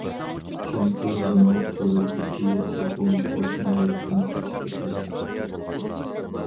چۈنكى ئۇنىڭ تۇرۇبىسى چوقۇم قوشنا يەردىن كېسىپ ئۆتىدۇ.